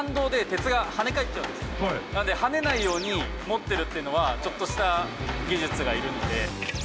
なので跳ねないように持ってるっていうのはちょっとした技術がいるんで。